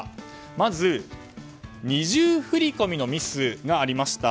まず、二重振り込みのミスがありました。